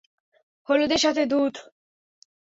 হলুদের সাথে দুধ।